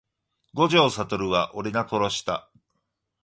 五条悟は俺が殺した…